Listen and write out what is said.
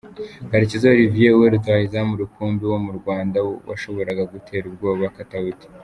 Karekezi Olivier ni we rutahizamu rukumbi wo mu Rwanda washoboraga gutera ubwoba Katauti.